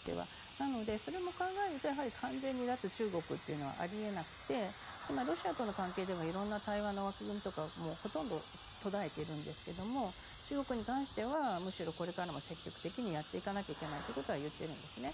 なので、それも考えると完全に脱中国というのはあり得なくて今、ロシアとの関係では色んな対話の枠組みとかほとんど途絶えているんですが中国に関してはむしろこれからも積極的にやっていかなきゃいけないということは言っているんですね。